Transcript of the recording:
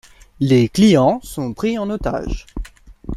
Les clients sont pris en otages.